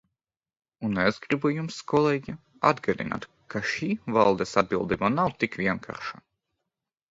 Un es gribu jums, kolēģi, atgādināt, ka šī valdes atbildība nav tik vienkārša.